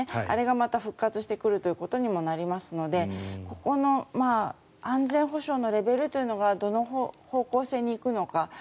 あれがまた復活してくることにもなりますのでここの安全保障のレベルというのがどの方向性に行くのか